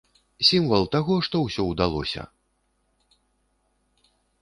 Сімвал таго, што ўсё ўдалося.